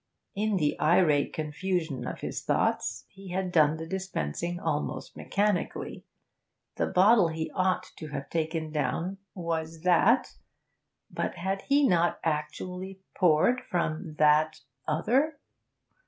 In the irate confusion of his thoughts, he had done the dispensing almost mechanically. The bottle he ought to have taken down was that, but had he not actually poured from that other?